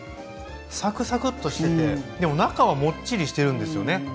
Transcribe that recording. サクサクッとしててでも中はもっちりしてるんですよね。